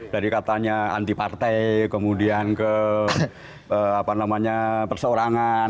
dari katanya anti partai kemudian ke apa namanya perseorangan